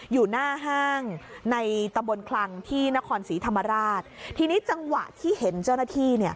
อยู่หน้าห้างในตำบลคลังที่นครศรีธรรมราชทีนี้จังหวะที่เห็นเจ้าหน้าที่เนี่ย